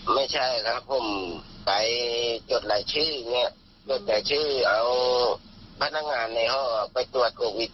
ไม่ใช่ครับผมไปจดหลายชื่อจดหลายชื่อเอาพะนักงานในห้อไปตรวจโกวิท